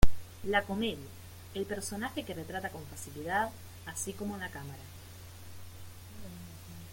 La comedia, el personaje que retrata con facilidad, así como en la cámara.